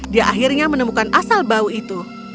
dia akhirnya menemukan asal bau itu